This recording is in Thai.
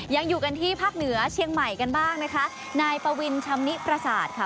ยังอยู่กันที่ภาคเหนือเชียงใหม่กันบ้างนะคะนายปวินชำนิประสาทค่ะ